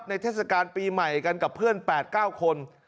เทศกาลปีใหม่กันกับเพื่อน๘๙คน